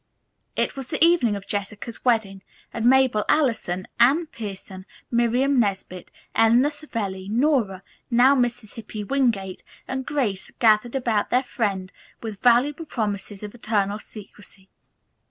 It was the evening of Jessica's wedding and Mabel Allison, Anne Pierson, Miriam Nesbit, Eleanor Savelli, Nora, now Mrs. Hippy Wingate, and Grace gathered about their friend with voluble promises of eternal secrecy.